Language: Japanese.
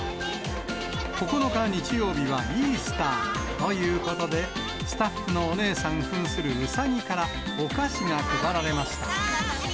９日日曜日はイースターということで、スタッフのお姉さんふんするウサギからお菓子が配られました。